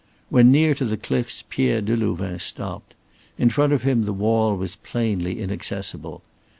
When near to the cliffs Pierre Delouvain stopped. In front of him the wall was plainly inaccessible.